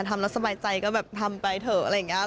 ทำแล้วสบายใจก็แบบทำไปเถอะอะไรอย่างนี้